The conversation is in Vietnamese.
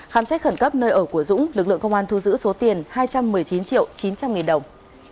khám xét khẩn cấp nơi ở của dũng lực lượng công an thu giữ số tiền hai trăm một mươi chín triệu chín trăm linh nghìn đồng